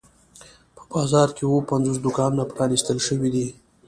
په بازار کې اووه پنځوس دوکانونه پرانیستل شوي دي.